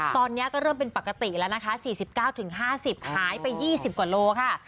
ตอนนี้ก็เริ่มเป็นปกติแล้วนะคะ๔๙๕๐หายไป๒๐กว่าโลค่ะ